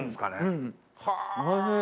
うんおいしい。